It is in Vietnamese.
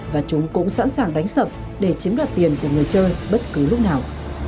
và chúng cũng sẵn sàng đánh sập để chiếm đoạt tiền của người chơi bất cứ lúc nào